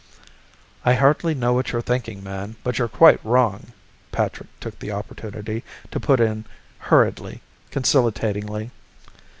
_" "I hardly know what you're thinking, man, but you're quite wrong," Patrick took the opportunity to put in hurriedly, conciliatingly.